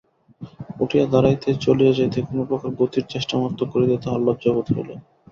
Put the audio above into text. উঠিয়া দাঁড়াইতে, চলিয়া যাইতে, কোনোপ্রকার গতির চেষ্টামাত্র করিতে তাহার লজ্জাবোধ হইল।